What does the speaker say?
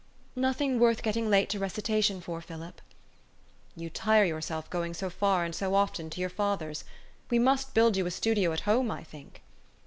"Nothing worth getting late to recitation for, Philip. "" You tire yourself going so far and so often to your father's. We must build you a studio at home, I think."